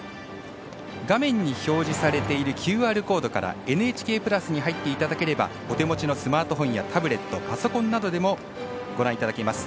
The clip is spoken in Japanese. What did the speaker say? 画面に表示されているＱＲコードから「ＮＨＫプラス」に入っていただければお手持ちのスマートフォンやタブレットパソコンなどでもご覧いただけます。